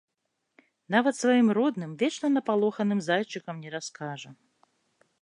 Нават сваім родным, вечна напалоханым зайчыкам не раскажа.